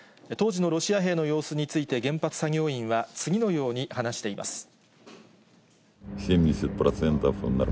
当時のロシア兵の様子について、原発作業員は次のように話しています。